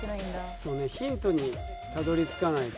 そうねヒントにたどりつかないと。